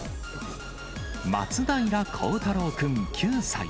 松平幸太朗君９歳。